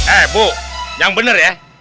eh bu yang benar ya